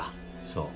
そう。